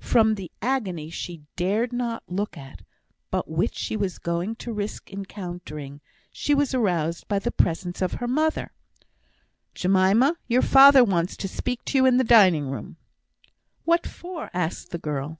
From the agony she dared not look at, but which she was going to risk encountering, she was aroused by the presence of her mother. "Jemima! your father wants to speak to you in the dining room." "What for?" asked the girl.